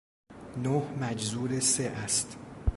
نه مجذور سه است.